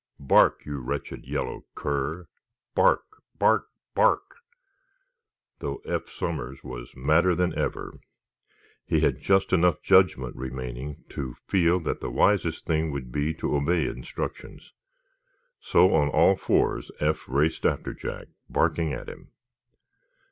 Bark, you wretched yellow cur—bark, bark, bark!" Though Eph Somers was madder than ever, he had just enough judgment remaining to feel that the wisest thing would be to obey instructions. So, on all fours, Eph raced after Jack, barking at him.